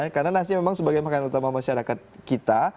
karena nasi memang sebagai makanan utama masyarakat kita